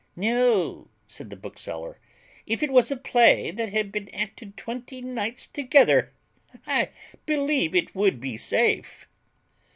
"No," said the bookseller, "if it was a play that had been acted twenty nights together, I believe it would be safe."